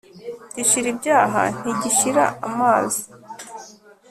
Gishira ibyara ntigishira amazi.